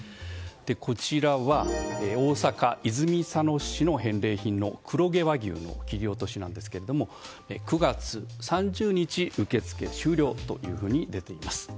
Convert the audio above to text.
こちらは、大阪・泉佐野市の返礼品の黒毛和牛の切り落としなんですけども９月３０日受け付け終了と出ています。